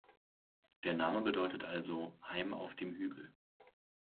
Der Name bedeutet also "Heim auf dem Hügel".